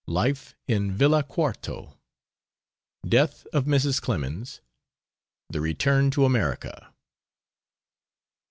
LIFE IN VILLA QUARTO. DEATH OF MRS. CLEMENS. THE RETURN TO AMERICA.